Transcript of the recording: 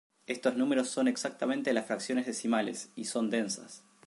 Estos números son exactamente las fracciones decimales, y son densas.